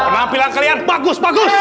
penampilan kalian bagus bagus